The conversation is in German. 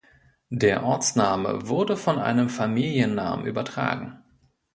Der Ortsname wurde von einem Familiennamen übertragen.